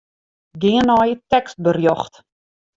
Gean nei tekstberjocht.